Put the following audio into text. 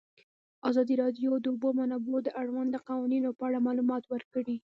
ازادي راډیو د د اوبو منابع د اړونده قوانینو په اړه معلومات ورکړي.